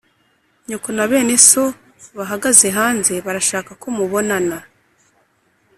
Nyoko na bene so bahagaze hanze barashaka ko mubonana